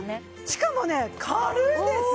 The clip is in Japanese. しかもね軽いです。